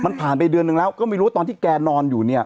มันผ่านไปเดือนนึงแล้วก็ไม่รู้ว่าตอนที่แกนอนอยู่เนี่ย